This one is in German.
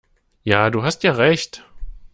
Ja, du hast ja Recht!